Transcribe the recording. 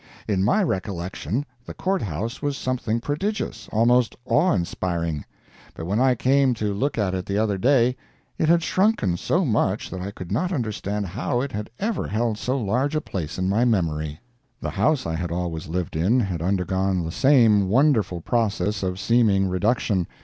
In my recollection, the Court House was something prodigious—almost awe inspiring; but when I came to look at it the other day, it had shrunken so much that I could not understand how it had ever held so large a place in my memory. The house I had always lived in had undergone the same wonderful process of seeming reduction.